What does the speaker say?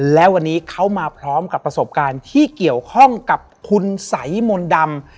แล้ววันนี้เขามาพร้อมกับประสบการณ์ที่เกี่ยวข้องกับคุณสัยมนต์ดำ